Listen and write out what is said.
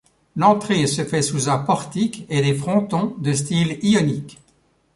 L'entrée se fait sous un portique et des frontons de style ionique.